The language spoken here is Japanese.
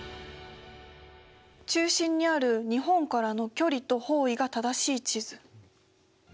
中心にある日本からの距離と方位が正しい地図。